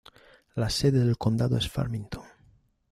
La sede del condado es Farmington.